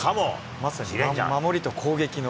まさに守りと攻撃の。